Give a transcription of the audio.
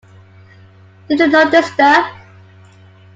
Did you notice the.